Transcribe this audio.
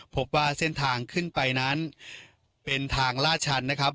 พบว่าเส้นทางขึ้นไปนั้นเป็นทางลาดชันนะครับ